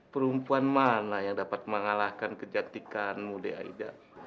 perempuan mana yang dapat mengalahkan kecantikanmu nek aida